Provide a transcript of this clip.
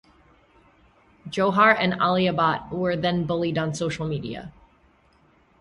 Johar and Alia Bhatt were then bullied on social media.